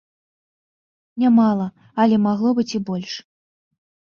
Нямала, але магло быць і больш.